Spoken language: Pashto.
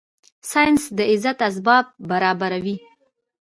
ساینس د عزت اسباب برابره وي